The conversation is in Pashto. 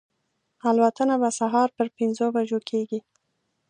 الوتنه به سهار پر پنځو بجو کېږي.